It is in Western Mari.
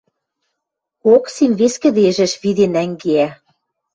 Оксим вес кӹдежӹш виден нӓнгеӓ.